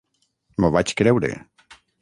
M'ho vaig creure.